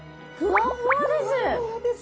ふわふわです。